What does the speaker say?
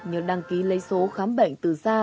như đăng ký lấy số khám bệnh từ xa